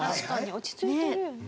落ち着いてるよね。